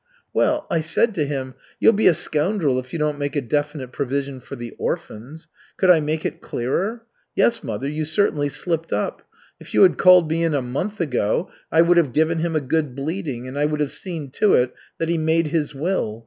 "Well, I said to him: 'You'll be a scoundrel if you don't make a definite provision for the orphans.' Could I make it clearer? Yes, mother, you certainly slipped up. If you had called me in a month ago, I would have given him a good bleeding and I would have seen to it that he made his will.